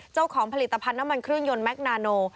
เจ้าของผลิตภัณฑ์น้ำมันเครื่องยนต์แคนาโน